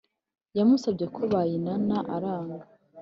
yamusabye ko bayinana aranga